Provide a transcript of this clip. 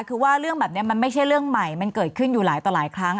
คือว่าเรื่องแบบนี้มันไม่ใช่เรื่องใหม่มันเกิดขึ้นอยู่หลายต่อหลายครั้ง